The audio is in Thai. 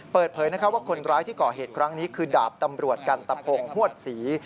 เปิดเผยว่าคนร้ายที่ก่อเหตุครั้งนี้คือดาบตำรวจกันตะพงฮวดศรี